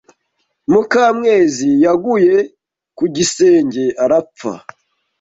Mukamwezi yaguye ku gisenge arapfa.